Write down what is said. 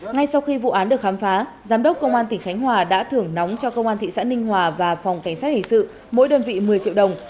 ngay sau khi vụ án được khám phá giám đốc công an tỉnh khánh hòa đã thưởng nóng cho công an thị xã ninh hòa và phòng cảnh sát hình sự mỗi đơn vị một mươi triệu đồng